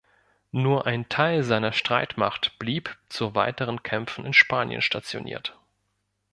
Nur ein Teil seiner Streitmacht blieb zu weiteren Kämpfen in Spanien stationiert.